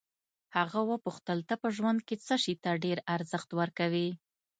هغه وپوښتل ته په ژوند کې څه شي ته ډېر ارزښت ورکوې.